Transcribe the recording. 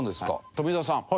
富澤さん